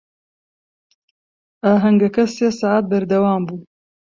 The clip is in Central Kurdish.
ئاهەنگەکە سێ سەعات بەردەوام بوو.